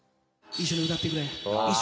一緒に歌ってくれ。